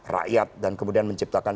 rakyat dan kemudian menciptakan